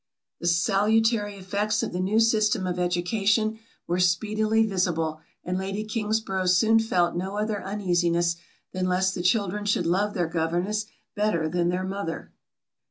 The salutary effects of the new system of education were speedily visible; and lady Kingsborough soon felt no other uneasiness, than lest the children should love their governess better than their mother.